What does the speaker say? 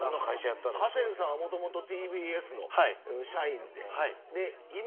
ハセンさんはもともとＴＢＳの社員で。